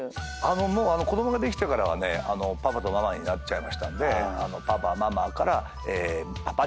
もう子供ができてからはパパとママになっちゃいましたんでパパママからパパっちママっちって言ってますね。